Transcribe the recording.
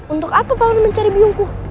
untuk apa paman mencari biongku